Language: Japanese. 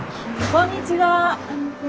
こんにちは。